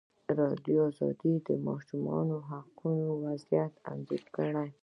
ازادي راډیو د د ماشومانو حقونه وضعیت انځور کړی.